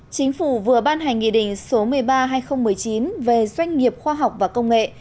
chính phủ vừa ban hành nghị định số một mươi ba hai nghìn một mươi chín về doanh nghiệp khoa học và công nghệ